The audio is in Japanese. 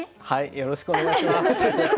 よろしくお願いします。